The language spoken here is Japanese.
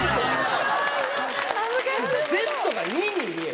「Ｚ」が「２」に見えて。